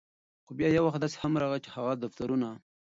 خو بیا یو وخت داسې هم راغے، چې هغه دفترونه